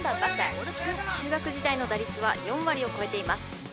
大貫くん中学時代の打率は４割を超えています